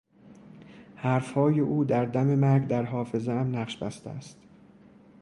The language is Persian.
حرفهای او در دم مرگ در حافظهام نقش بسته است.